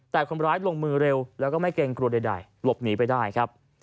แต่คนร้ายลงมือเร็วแล้วก็ไม่เกรงกลัวใดหลบหนีไปได้ครับ